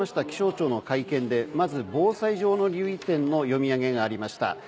気象庁の会見でまず防災上の留意点の読み上げがありました。